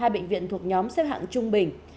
hai bệnh viện thuộc nhóm xếp hạng trung bình